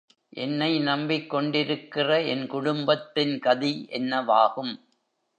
என்னை நம்பிக்கொண்டிருக்கிற என் குடும்பத்தின் கதி என்னவாகும்?